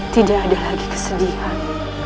tidak ada lagi kesedihan